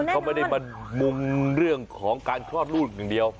เขาไม่ได้มามุงเรื่องของการคลอดลูกอย่างเดียว